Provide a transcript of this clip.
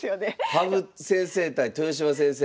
羽生先生対豊島先生。